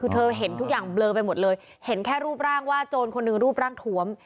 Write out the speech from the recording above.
คือเธอเห็นทุกอย่างเบลอไปหมดเลยเห็นแค่รูปร่างว่าโจรคนหนึ่งรูปร่างถวม